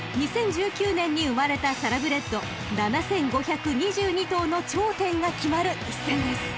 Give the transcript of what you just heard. ［２０１９年に産まれたサラブレッド７，５２２頭の頂点が決まる一戦です］